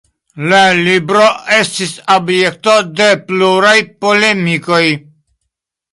La libro estis objekto de pluraj polemikoj.